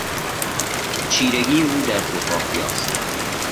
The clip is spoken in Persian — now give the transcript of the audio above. چیرگی او در جغرافیا است.